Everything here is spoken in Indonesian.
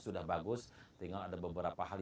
sudah bagus tinggal ada beberapa hal